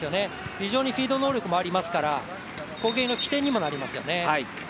非常にフィード能力もありますから攻撃の起点にもなりますよね。